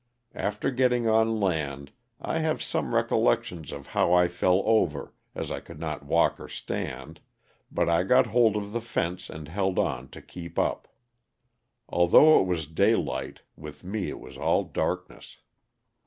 After getting on land I have some recollection of how I fell over, as I could not walk or stand, but I got hold of the fence and held on to keep up. Although it was daylight, with me it was all darkness.